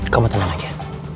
kamu tenang aja